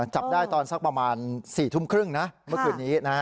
จับได้ตอนสักประมาณ๔ทุ่มครึ่งนะเมื่อคืนนี้